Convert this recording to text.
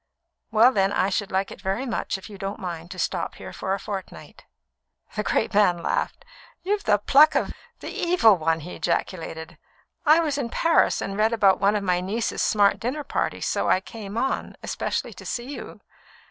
"Then I should like very much, if you don't mind, to stop here a fortnight." The great man laughed. "You've the pluck of the Evil One!" he ejaculated. "I was in Paris, and read about one of my niece's smart dinner parties, so I came on especially to see you.